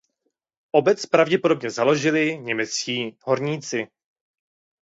Obec pravděpodobně založili němečtí horníci.